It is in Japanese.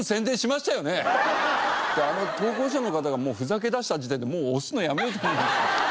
あの投稿者の方がふざけだした時点でもう押すのやめようと思いました。